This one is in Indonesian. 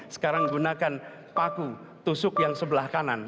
sekarang gunakan paku tusuk yang sebelah kanan